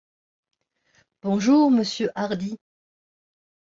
Bonjour, monsieur Hardi.